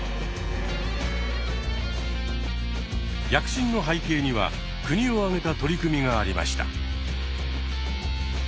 躍進の背景には国を挙げた取り組みがありました。